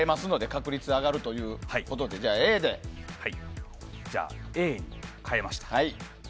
確率が変わるということでＡに変えました。